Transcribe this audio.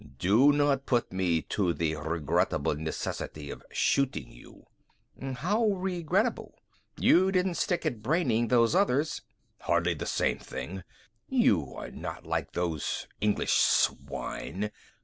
Do not put me to the regrettable necessity of shooting you." "How regrettable? You didn't stick at braining those others " "Hardly the same thing. You are not like those English swine.